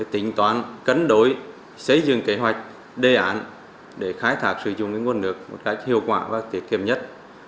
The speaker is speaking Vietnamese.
tỉnh toàn cấn đối xây dựng kế hoạch đề ản để khai thạc sử dụng nguồn nước một cách hiệu quả và tiết kiệm nhất